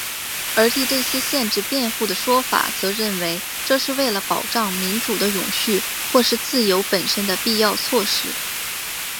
而替这些限制辩护的说法则认为这是为了保障民主的永续或是自由本身的必要措施。